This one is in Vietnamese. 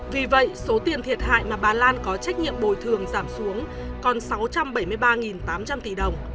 vì vậy số tiền thiệt hại mà bà lan có trách nhiệm bồi thường giảm xuống còn sáu trăm bảy mươi ba tám trăm linh tỷ đồng